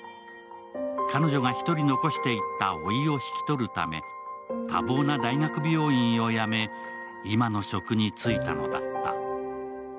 彼女が１人残していったおいを引き取るため多忙な大学病院を辞め、今の職に就いたのだった。